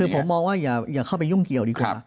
คือผมมองว่าอย่าเข้าไปยุ่งเกี่ยวดีกว่า